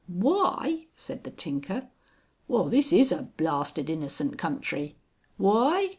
"Why!" said the tinker. "Well this is a blasted innocent country! _Why!